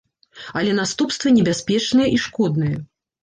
Але наступствы небяспечныя і шкодныя.